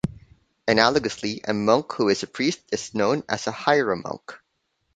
Analogously, a monk who is a priest is known as a hieromonk.